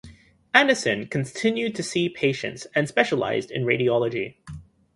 Anderson continued to see patients and specialized in radiology.